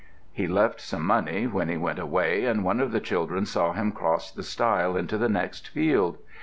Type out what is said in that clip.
He left some money when he went away, and one of the children saw him cross the stile into the next field.